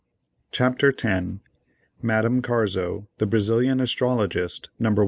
CHAPTER X. MADAME CARZO, THE BRAZILIAN ASTROLOGIST, No.